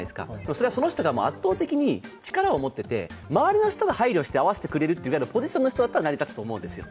それはその人が圧倒的に力を持っていて周りの人が配慮して合わせてくれるというポジションの人だったら成り立つと思うんですよ。